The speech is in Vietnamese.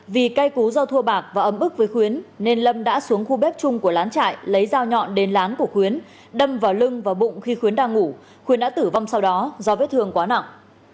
vì cây cú do thua bạc và ấm ức với khuyến nên lâm đã xuống khu bếp chung của lán trại lấy dao nhọn đến lán của khuyến đâm vào lưng và bụng khi khuyến đang ngủ khuyến đã tử vong sau đó do vết thương quá nặng